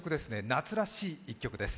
夏らしい１曲です。